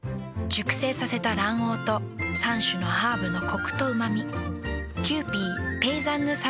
熟成させた卵黄と３種のハーブのコクとうま味。